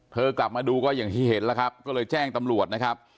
กลับมาดูก็อย่างที่เห็นแล้วครับก็เลยแจ้งตำรวจนะครับ